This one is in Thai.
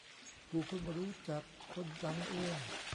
กูเพิ่งรู้จักคนหลังเอง